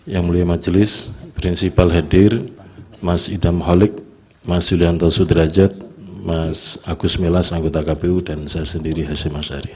yang mulia majelis prinsipal hadir mas idam holik mas yulianto sudrajat mas agus melas anggota kpu dan saya sendiri hashim ashari